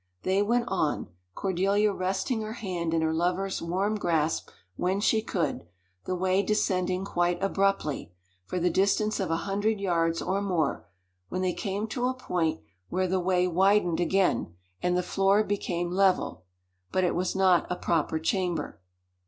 They went on, Cordelia resting her hand in her lover's warm grasp when she could; the way descending quite abruptly, for the distance of a hundred yards, or more, when they came to a point where the way widened again, and the floor became level; but it was not a proper chamber.